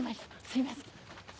すいません。